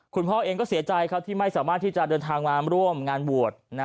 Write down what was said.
คุณพ่อเองก็เสียใจครับที่ไม่สามารถที่จะเดินทางมาร่วมงานบวช